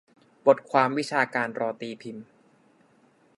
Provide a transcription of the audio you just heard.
บทความวิชาการรอตีพิมพ์